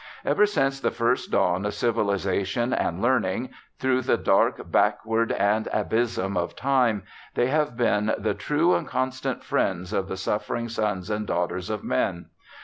Ever since the first dawn of civilization and learning, through " the dark back ward, and abysm of time ", they have been the true and constant friends of the suffering sons and daughters of men.